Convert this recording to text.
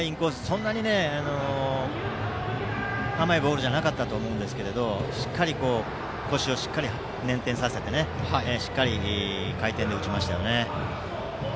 そんなに甘いボールじゃなかったと思うんですがしっかり腰を捻転させてしっかり回転で打ちましたよね。